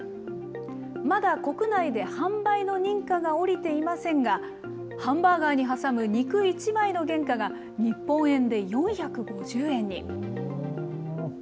まだ国内で販売の認可が下りていませんが、ハンバーガーに挟む肉１枚の原価が、日本円で４５０円に。